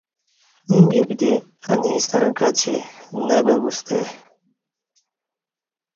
ییں ببدیں انے ستݩع کچی نہ بہ گستای